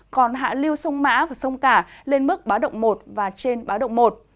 còn hạ lưu sông mã và sông cả lên mức báo động một và trên báo động một